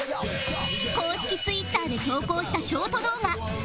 公式ツイッターで投稿したショート動画